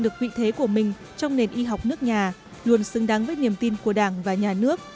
được vị thế của mình trong nền y học nước nhà luôn xứng đáng với niềm tin của đảng và nhà nước